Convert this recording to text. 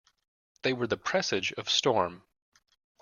They were the presage of storm.